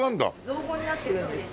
造語になってるんです。